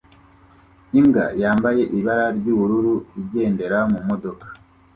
Imbwa yambaye ibara ry'ubururu igendera mu modoka